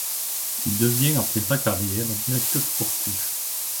Il devient après sa carrière directeur sportif.